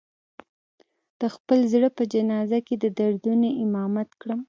د خپل زړه په جنازه کې د دردونو امامت کړم